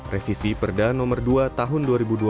revisi perda nomor dua tahun dua ribu dua puluh